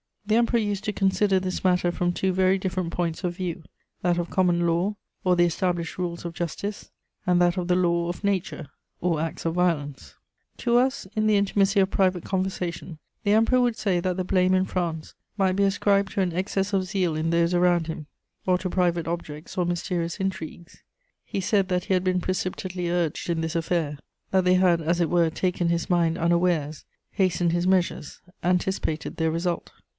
The Emperor used to consider this matter from two very different points of view: that of common law, or the established rules of justice, and that of the law of nature, or acts of violence...." [Sidenote: By the Comte de Las Cases.] "To us, in the intimacy of private conversation, the Emperor would say that the blame in France might be ascribed to an excess of zeal in those around him, or to private objects or mysterious intrigues. He said that he had been precipitately urged in this affair; that they had as it were taken his mind unawares, hastened his measures, anticipated their result....